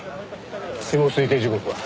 死亡推定時刻は？